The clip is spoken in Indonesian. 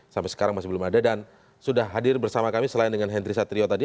sampai sekarang masih belum ada dan sudah hadir bersama kami selain dengan henry satrio tadi